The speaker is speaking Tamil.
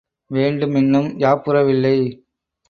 வேண்டு மென்னும் யாப்புறவில்லை.